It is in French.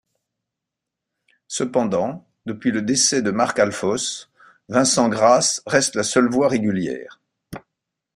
Cependant, depuis le décès de Marc Alfos, Vincent Grass reste la seule voix régulière.